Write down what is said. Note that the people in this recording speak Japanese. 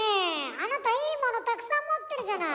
あなたいいものたくさん持ってるじゃない。